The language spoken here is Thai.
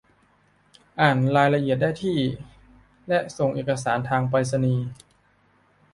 อ่านรายละเอียดได้ที่ และส่งเอกสารทางไปรษณีย์